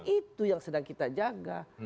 itu yang sedang kita jaga